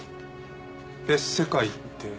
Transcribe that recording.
別世界って？